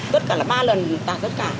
tất cả là ba lần tạt tất cả